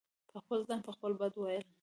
په خپل ځان په خپله بد وئيل